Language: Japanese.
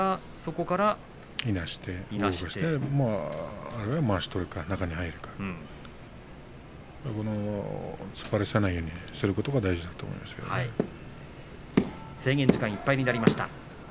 いなして、あるいはまわしを取るか中に入るか突っ張らせないようにすることが制限時間いっぱいになりました。